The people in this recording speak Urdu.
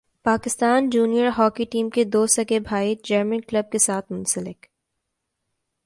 پاکستان جونئیر ہاکی ٹیم کے دو سگے بھائی جرمن کلب کے ساتھ منسلک